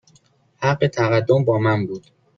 حق تقدم با من بود.